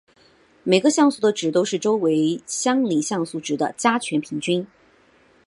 每个像素的值都是周围相邻像素值的加权平均。